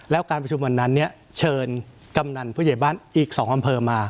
แล้วการประชุมวันนั้นเนี่ยเชิญกำนันผู้ใหญ่บ้านอีก๒อำเภอมา